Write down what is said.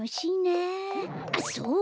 あっそうだ！